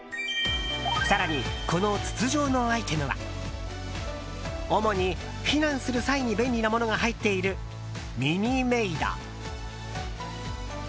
更に、この筒状のアイテムは主に避難する際に便利なものが入っているミニメイド。